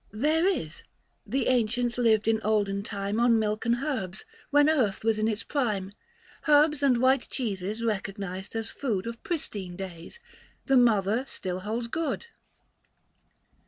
" There is ; the ancients lived in olden time 415 On milk and herbs, when earth was in its prime ; Herbs and white cheeses recognised as food Of pristine days, the mother still holds good." IX. ID.